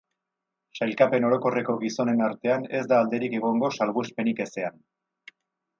Sailkapen orokorreko gizonen artean ez da alderik egongo salbuespenik ezean.